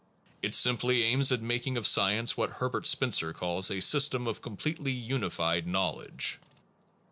It simply aims at making of science what Herbert Spencer calls a * system of completely unified knowledge.